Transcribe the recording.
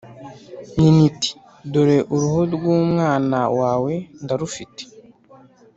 nyina iti ‘dore uruhu rw’umwana wawe ndarufite,